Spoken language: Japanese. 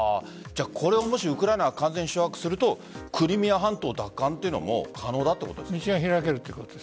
これをもしウクライナが完全に掌握するとクリミア半島奪還というのも可能だということですね。